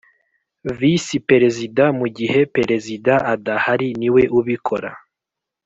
Visi Perezida mu gihe Perezida adahari niwe ubikora